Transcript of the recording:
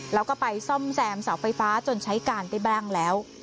แล้วก็ไปซ่อมแซมเสาไฟฟ้าจนใช้การได้บ้างแล้ว